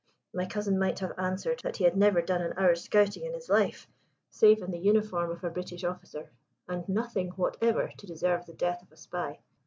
My cousin might have answered that he had never done an hour's scouting in his life save in the uniform of a British officer, and nothing whatever to deserve the death of a spy.